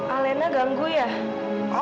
alena ganggu ya